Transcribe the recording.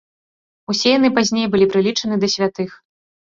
Усе яны пазней былі прылічаны да святых.